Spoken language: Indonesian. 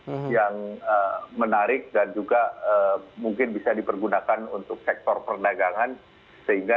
jadi kita akan memperbaiki dan juga bisa diperbaiki untuk menggunakan untuk sektor perdagangan sehingga